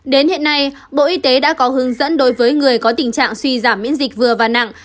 đến hiện nay bộ y tế đã có hướng dẫn đối với người có tình trạng suy giảm miễn dịch vừa và nặng